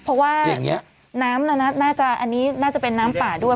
เพราะว่าน้ำน่าจะอันนี้น่าจะเป็นน้ำป่าด้วย